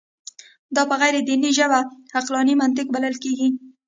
دا په غیر دیني ژبه عقلاني منطق بلل کېږي.